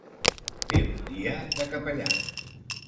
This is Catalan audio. Fer un dia de capellans.